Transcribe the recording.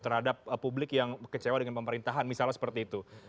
terhadap publik yang kecewa dengan pemerintahan misalnya seperti itu